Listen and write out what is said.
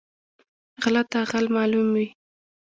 غله ته غل معلوم وي